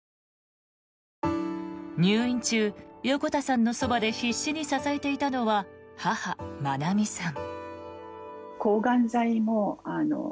入院中、横田さんのそばで必死に支えていたのは母・まなみさん。